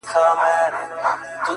او تر سپين لاس يې يو تور ساعت راتاو دی،